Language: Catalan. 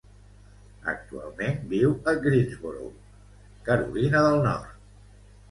Actualment viu a Greensboro, Carolina del Nord.